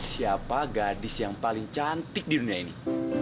siapa gadis yang paling cantik di dunia ini